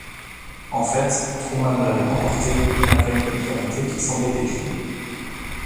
En fait, Truman l'avait emporté malgré une popularité qui semblait décliner.